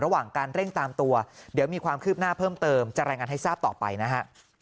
ระหว่างการเร่งตามตัวเดี๋ยวมีความคืบหน้าเพิ่มเติมจะรายงานให้ทราบต่อไปนะฮะ